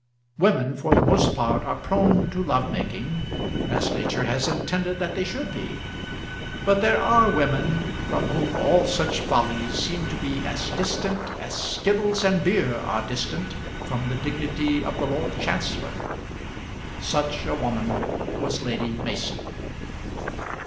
Women for the most part are prone to love making as nature has intended that they should be; but there are women from whom all such follies seem to be as distant as skittles and beer are distant from the dignity of the Lord Chancellor. Such a woman was Lady Mason.